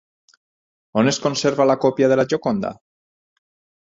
On es conserva la còpia de la Gioconda?